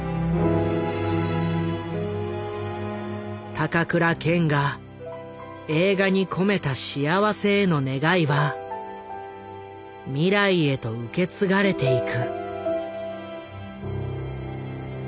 高倉健が映画に込めた幸せへの願いは未来へと受け継がれていく。